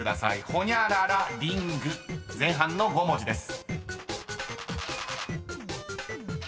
［ホニャララリング前半の５文字です］